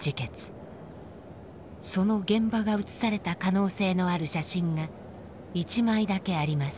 その現場が写された可能性のある写真が一枚だけあります。